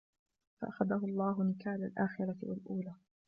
فأخذه الله نكال الآخرة والأولى